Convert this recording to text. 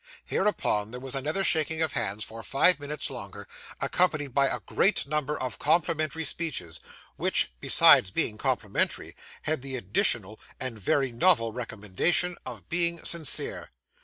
Hereupon there was another shaking of hands for five minutes longer, accompanied by a great number of complimentary speeches, which, besides being complimentary, had the additional and very novel recommendation of being sincere.